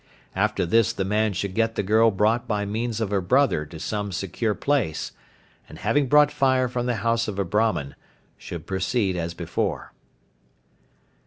After this the man should get the girl brought by means of her brother to some secure place, and having brought fire from the house of a Brahman, should proceed as before.